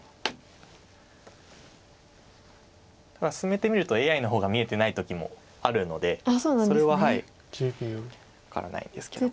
ただ進めてみるとＡＩの方が見えてない時もあるのでそれは分からないですけど。